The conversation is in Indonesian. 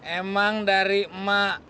emang dari emak